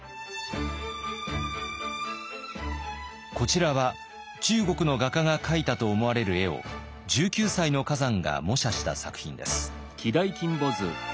こちらは中国の画家が描いたと思われる絵を１９歳の崋山が模写した作品です。